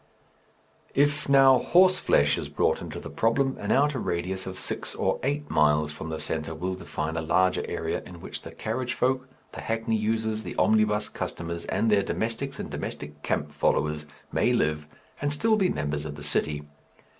If, now, horseflesh is brought into the problem, an outer radius of six or eight miles from the centre will define a larger area in which the carriage folk, the hackney users, the omnibus customers, and their domestics and domestic camp followers may live and still be members of the city.